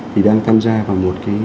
thì đang tham gia vào một cái